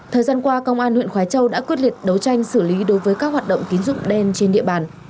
thời gian qua công an huyện khói châu đã quyết liệt đấu tranh xử lý đối với các hoạt động tín dụng đen trên địa bàn